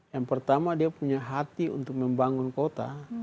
yang pertama dia punya hati untuk membangun kota